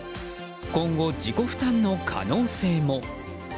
今後、自己負担の可能性も。